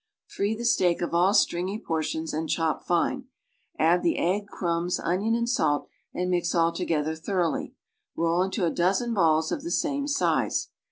I'\'ee the steak of all stringy por tions and clio[) fine; add the egg, crumbs, oiiioir and salt and mix all together thoroughly; roll into a dozen balls of the same size.